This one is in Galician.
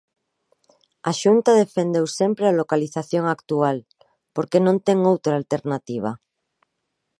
A Xunta defendeu sempre a localización actual, porque non ten outra alternativa.